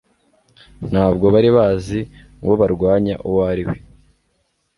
ntabwo bari bazi uwo barwanya uwo ari we.